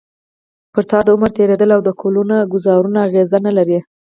پر تا د عمر تېرېدل او د کلونو ګوزارونه اغېز نه لري.